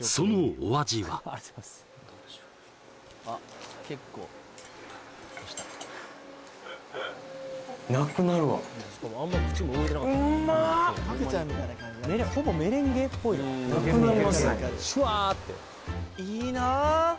そのお味はいいな！